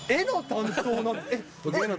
絵の担当？